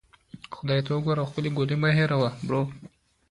خدای ته وګوره او خپلې ګولۍ مه هیروه.